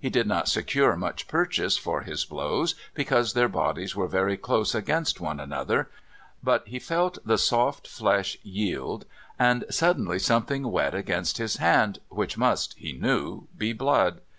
He did not secure much purchase for his blows because their bodies were very close against one another, but he felt the soft flesh yield and suddenly something wet against his hand which must, he knew, be blood.